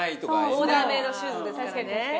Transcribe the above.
オーダーメイドシューズですからね。